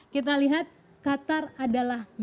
kita lihat qatar adalah